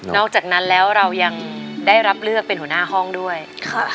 อกจากนั้นแล้วเรายังได้รับเลือกเป็นหัวหน้าห้องด้วยค่ะ